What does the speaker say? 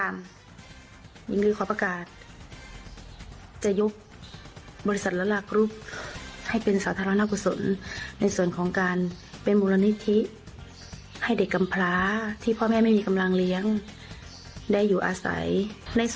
อันเดี๋ยวไปดูคลิปบางช่วงบางตอนกันหน่อยเมื่อวานนี้ค่ะ